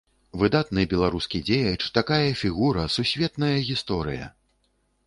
Выдатны беларускі дзеяч, такая фігура, сусветная гісторыя!